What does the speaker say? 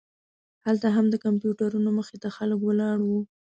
هلته هم د کمپیوټرونو مخې ته خلک ولاړ وو.